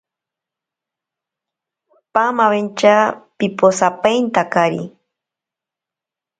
Pamawentya piposapaintakari.